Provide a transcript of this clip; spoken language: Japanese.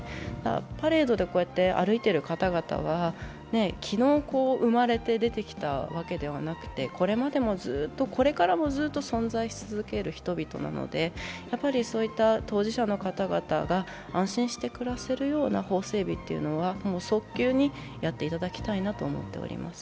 パレードでこうやって歩いている方々は昨日、生まれて出てきたわけではなくてこれまでもずっと、これからもずっと存在し続ける人々なのでそういった当事者の方々が安心して暮らせるような法整備は早急にやっていただきたいなと思っております。